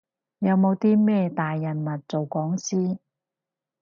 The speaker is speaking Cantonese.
有冇啲咩大人物做講師？